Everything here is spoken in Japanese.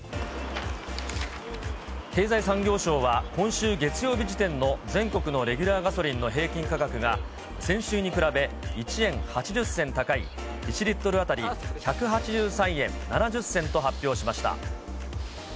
経済産業省は今週月曜日時点の全国のレギュラーガソリンの平均価格が先週に比べ、１円８０銭高い１リットル当たり１８３円７０銭と発表しました。